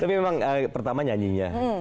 tapi emang pertama nyanyinya